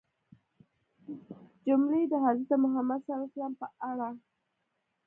جملې د حضرت محمد ﷺ په اړه